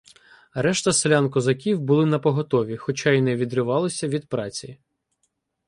Решта селян-козаків були напоготові, хоча і не відривалися від праці.